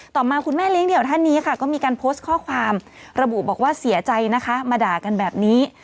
มาคุณแม่เลี้ยเดี่ยวท่านนี้ค่ะก็มีการโพสต์ข้อความระบุบอกว่าเสียใจนะคะมาด่ากันแบบนี้